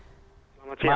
selamat siang mas